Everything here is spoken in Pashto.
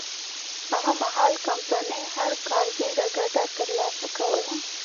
هغه مهال کمپنۍ هر کال ډېره ګټه ترلاسه کوله.